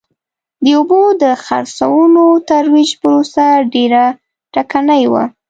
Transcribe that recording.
د اوبو د څرخونو ترویج پروسه ډېره ټکنۍ وه.